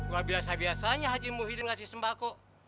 wah biasa biasanya haji muhyidin ngasih sembako